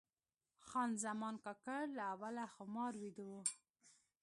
خان زمان کاکړ له اوله خمار ویده و.